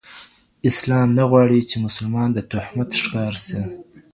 اسلام نه غواړي، چي مسلمان د تهمت ښکار سي؛